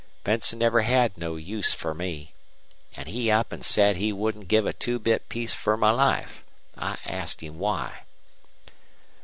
Benson never had no use fer me. An' he up an' said he wouldn't give a two bit piece fer my life. I asked him why.